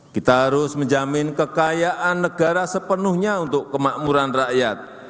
kita harus menjamin kekayaan negara sepenuhnya untuk kemakmuran rakyat